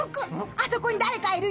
あそこに誰かいるよ。